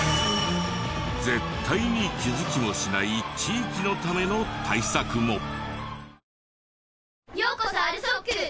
絶対に気づきもしない地域のための対策も。